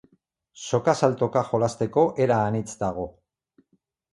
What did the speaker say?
Soka saltoka jolasteko era anitz dago.